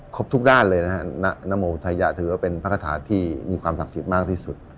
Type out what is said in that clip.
ทุกด้านเลยนะฮะนโมทัยะถือว่าเป็นพระคาถาที่มีความศักดิ์สิทธิ์มากที่สุด